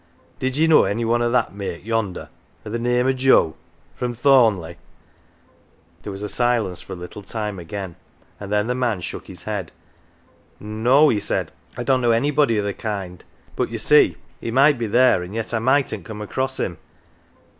Did ye know any one o' that make yonder, o' th' name o' Joe, from Thorn leigh?" There was a silence for a little time again, and then the man shook his head. "No," he said. "I don't know anybody o' th' kind. But you see he might be there an' yet I mightn't come across him."